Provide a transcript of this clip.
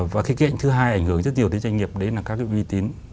và cái kết hợp thứ hai ảnh hưởng rất nhiều đến doanh nghiệp đấy là các cái uy tín